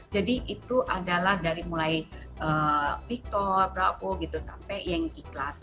jadi itu adalah dari mulai victor bravo gitu sampai yang i class